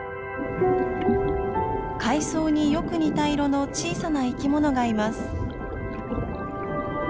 海藻によく似た色の小さな生き物がいます。